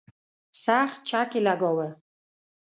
سخت چک یې لګاوه.